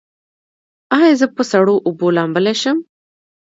ایا زه په سړو اوبو لامبلی شم؟